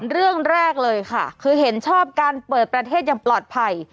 เรื่องแรกเลยค่ะคือเห็นชอบการเปิดประเทศอย่างปลอดภัย